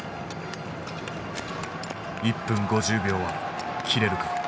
１分５０秒は切れるか。